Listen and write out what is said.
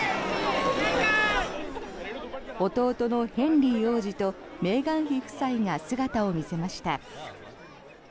弟のヘンリー王子とメーガン妃夫妻が姿を見せました。